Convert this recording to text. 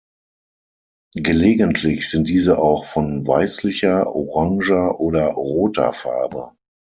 Gelegentlich sind diese auch von weißlicher, oranger oder roter Farbe.